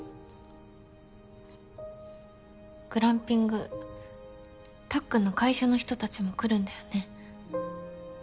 グランピングたっくんの会社の人たちも来るんだよね。